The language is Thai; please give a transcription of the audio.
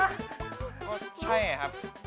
คือใช่อะครับ